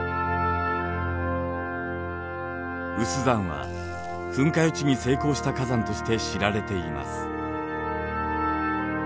有珠山は噴火予知に成功した火山として知られています。